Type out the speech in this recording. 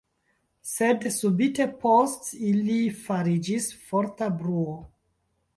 Sed subite post ili fariĝis forta bruo.